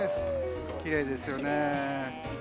きれいですよね。